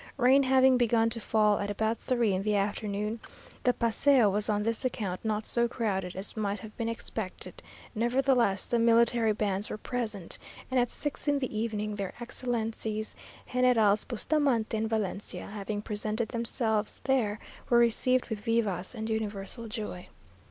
Rain having begun to fall at about three in the afternoon, the paseo was on this account not so crowded as might have been expected; nevertheless, the military bands were present, and at six in the evening their Excellencies Generals Bustamante and Valencia having presented themselves there, were received with vivas and universal joy.